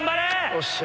よっしゃ。